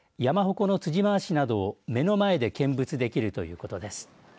このつじ回しなどを目の前で見物できるということです。